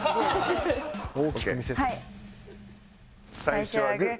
最初はグー！